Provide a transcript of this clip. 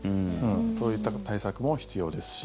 そういった対策も必要ですし。